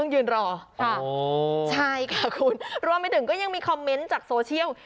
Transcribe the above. ใช่รวมถึงก็ยังมีคอมเมนต์จากโซเชียล